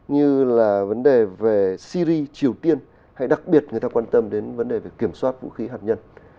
như là vấn đề về syri triều tiên hay đặc biệt người ta quan tâm đến vấn đề về kiểm soát vũ khí hạt nhân